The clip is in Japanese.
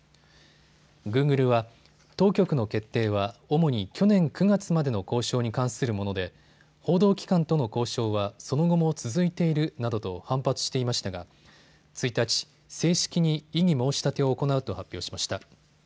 グーグルは当局の決定は主に去年９月までの交渉に関するもので報道機関との交渉はその後も続いているなどと反発していましたが１日、正式に異議申し立てを行うと発表しました。